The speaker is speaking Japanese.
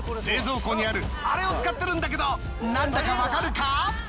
冷蔵庫にあるアレを使ってるんだけどなんだかわかるか？